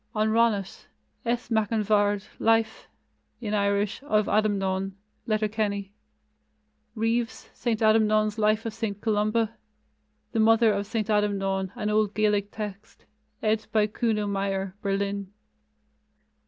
On Ronnat: S. Mac an Bhaird, Life (in Irish) of Adamnan (Letterkenny); Reeves, St. Adamnan's Life of St. Columba; The Mother of St. Adamnan, an old Gaelic text, ed. by Kuno Meyer (Berlin).